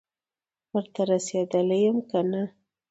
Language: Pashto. ورته رسېدلی یم که نه،